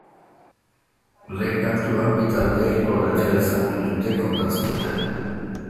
Lehen kantuan bi taldeek nola elkar ezagutu zuten kontatzen dute.